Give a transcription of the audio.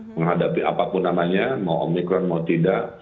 menghadapi apapun namanya mau omikron mau tidak